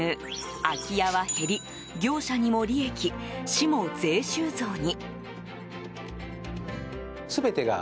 空き家は減り、業者にも利益市も税収増に。